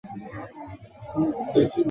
批评预言媒体和誊本